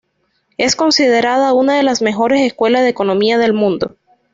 Es considerada una de las mejores escuelas de economía del mundo.